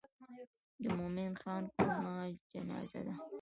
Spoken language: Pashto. د مومن خان کومه جنازه ده.